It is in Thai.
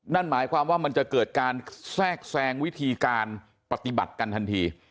นั่นหมายความว่ามันจะเกิดการแทรกแซงวิธีการปฏิบัติกันทันที